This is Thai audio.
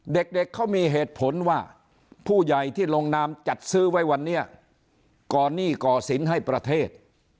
เด็กเขามีเหตุผลว่าผู้ใหญ่ที่ลงนามจัดซื้อไว้วันนี้ก่อหนี้ก่อสินให้ประเทศ